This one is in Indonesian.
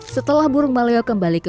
setelah burung maleo kembali ke rumah